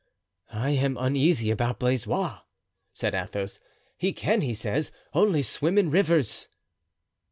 "I am uneasy about Blaisois," said Athos; "he can, he says, only swim in rivers."